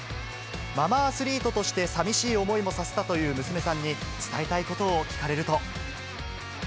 ママアスリートとして、さみしい思いもさせたという娘さんに伝えたいことを聞かれると。